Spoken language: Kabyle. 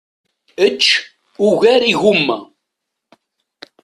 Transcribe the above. Ečč ugar igumma.